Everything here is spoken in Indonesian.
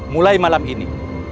mulai malam ini